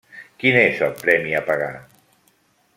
Quin és el premi a pagar?